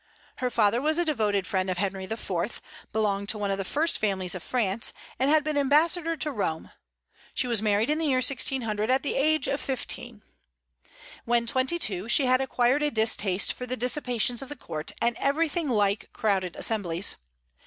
Her father was a devoted friend of Henry IV., belonged to one of the first families of France, and had been ambassador to Rome. She was married in the year 1600, at the age of fifteen. When twenty two, she had acquired a distaste for the dissipations of the court and everything like crowded assemblies.